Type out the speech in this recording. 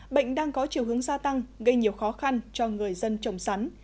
bệnh đang có chiều hướng gia tăng gây nhiều khó khăn cho người dân trồng sắn